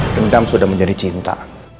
dendam sudah menjadi cinta